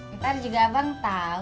ntar juga abang tahu